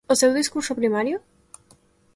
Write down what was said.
O seu discurso primario?